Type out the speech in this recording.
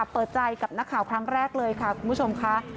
เปิดใจกับนักข่าวครั้งแรกเลยค่ะคุณผู้ชมค่ะ